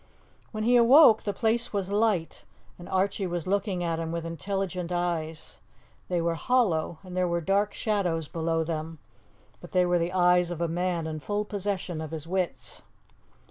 When he awoke the place was light, and Archie was looking at him with intelligent eyes; they were hollow, and there were dark shadows below them, but they were the eyes of a man in full possession of his wits.